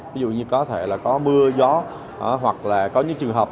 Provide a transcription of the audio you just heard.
ví dụ như có thể là có mưa gió hoặc là có những trường hợp